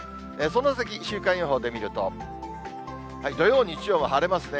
その先、週間予報で見ると、土曜、日曜も晴れますね。